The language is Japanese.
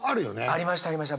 ありましたありました。